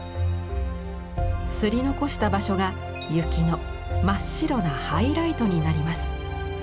摺り残した場所が雪の真っ白なハイライトになります。